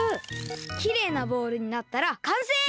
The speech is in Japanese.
きれいなボールになったらかんせい！